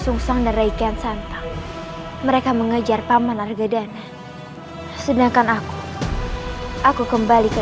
sung sang dan reikian santang mereka mengejar paman argadana sedangkan aku aku kembali ke